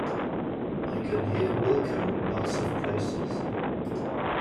I can hear Wilko in lots of places.